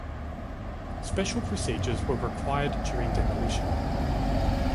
Special procedures were required during demolition.